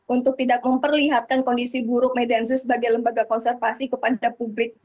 untuk tidak memperlihatkan kondisi buruk medan zu sebagai lembaga konservasi kepada publik